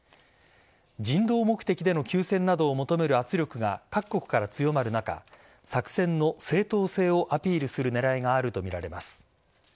人道目的での休戦などを求める圧力が各国から強まる中作戦の正当性をアピールする狙いがあるとみられます。